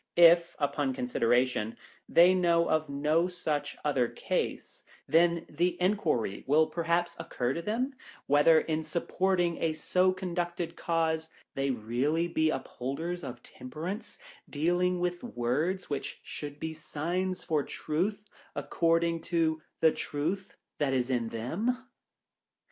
If, upon consideration, they know of no such other case, then the enquiry will perhaps occur to them, whether, in supporting a so conducted cause, they really be upholders of Temperance^ dealing with words, which should be the signs for Truth, according to the truth that is in them